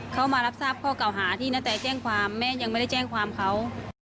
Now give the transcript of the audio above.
เขามารับทราบข้อเก่าหาที่ณแตแจ้งความแม่ยังไม่ได้แจ้งความเขา